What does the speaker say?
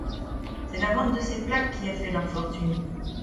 C'est la vente de ces plaques qui a fait leur fortune.